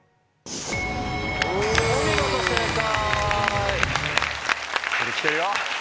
お見事正解。